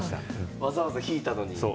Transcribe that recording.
わざわざひいたのに。